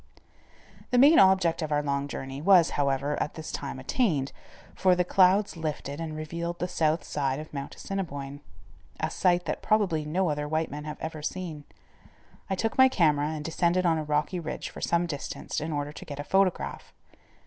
The main object of our long journey was, however, at this time attained, for the clouds lifted and revealed the south side of Mount Assiniboine, a sight that probably no other white men have ever seen. I took my camera and descended on a rocky ridge for some distance in order to get a photograph.